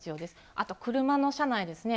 あと車の車内ですね。